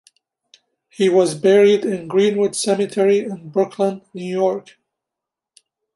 He was buried in Green-Wood Cemetery in Brooklyn, New York.